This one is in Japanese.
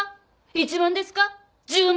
１０万ですか？